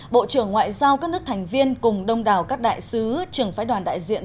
bộ trưởng ngoại giao các nước thành viên cùng đông đảo các đại sứ trưởng phái đoàn đại diện